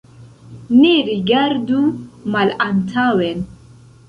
Ne rigardu malantaŭen.